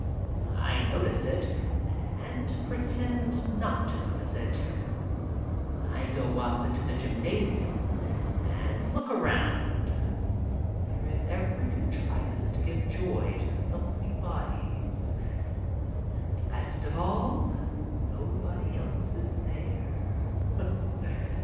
I notice it and pretend not to notice it. I go up into the gymnasium and look around. There is every contrivance to give joy to healthy bodies. And best of all, nobody else is there.